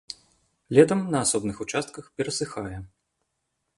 Летам на асобных участках перасыхае.